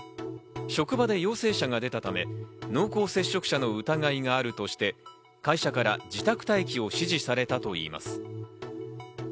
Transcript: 職場で陽性者が出たため、濃厚接触者の疑いがあるとして会社から自宅待機を指示されたといいます。